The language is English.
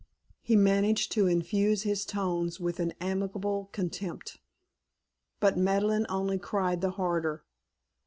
He managed to infuse his tones with an amiable contempt. But Madeleine only cried the harder.